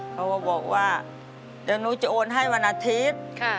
เขาก็บอกว่าเดี๋ยวหนูจะโอนให้วันอาทิตย์